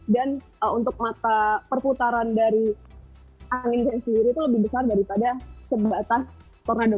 dan untuk mata perputaran dari angin dari seluruh itu lebih besar daripada sebatas tornado